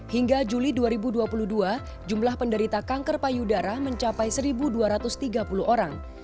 hingga juli dua ribu dua puluh dua jumlah penderita kanker payudara mencapai satu dua ratus tiga puluh orang